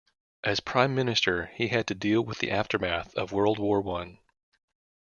As Prime Minister he had to deal with the aftermath of World War One.